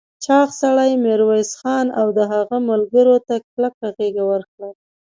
چاغ سړي ميرويس خان او د هغه ملګرو ته کلکه غېږ ورکړه.